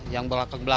ya itu memang benar